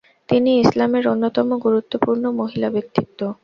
তিনি ইসলামের অন্যতম গুরুত্বপূর্ণ মহিলা ব্যক্তিত্ব।